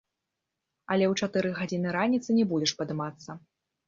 Але ў чатыры гадзіны раніцы не будзеш падымацца!